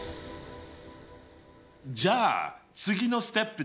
じゃあ次のステップに進もう！